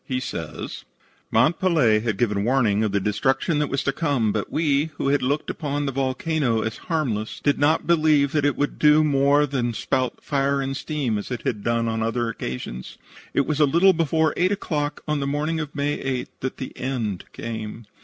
He says: "Mont Pelee had given warning of the destruction that was to come, but we, who had looked upon the volcano as harmless, did not believe that it would do more than spout fire and steam, as it had done on other occasions. It was a little before eight o'clock on the morning of May 8 that the end came.